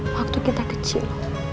waktu kita kecil